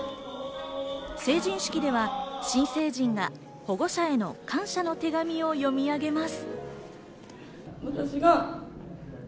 成人式では新成人が保護者への感謝の手紙を読み上げます。